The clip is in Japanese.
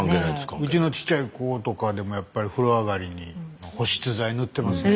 うちのちっちゃい子とかでもやっぱり風呂上がりに保湿剤塗ってますね。